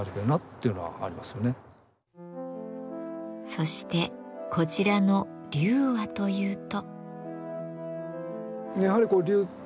そしてこちらの「龍」はというと。